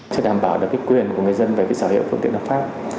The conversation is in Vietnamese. chúng ta đảm bảo được quyền của người dân về sở hữu phương tiện đọc pháp